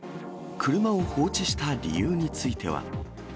車を放置した理由については。